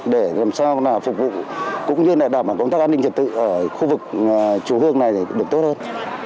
để làm sao phục vụ cũng như là đảm bảo công tác an ninh trật tự ở khu vực chùa hương này được tốt hơn